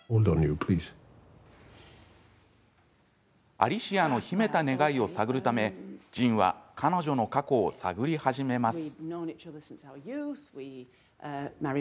アリシアの秘めた願いを探るためジンは彼女の過去を探り始めます。